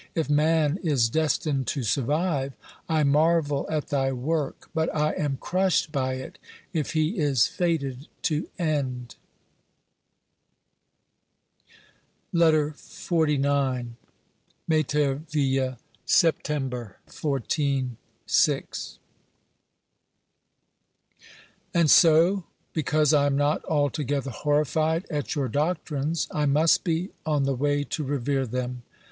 If man is destined to survive, I marvel at thy work, but I am crushed by it if he is fated to end. OBERMANN 209 LETTER XLIX Meterville, September 14 (VI). And so because I am not altogether horrified at your doctrines, I must be on the way to revere them